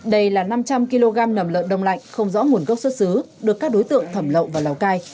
đây là năm trăm linh kg nầm lợn đông lạnh không rõ nguồn gốc xuất xứ được các đối tượng thẩm lậu vào lào cai